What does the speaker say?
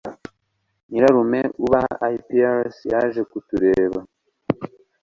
Nyirarume uba i Paris, yaje kutureba.